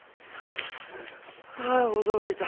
ああ驚いた。